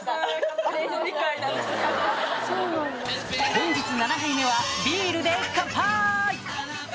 本日７杯目はビールで乾杯！